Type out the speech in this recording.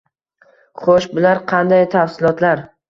Xo‘sh, bular qanday tafsilotlar?